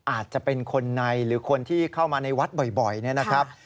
อาจจะเป็นคนในหรือคนที่เข้ามาในวัดบ่อยนะครับ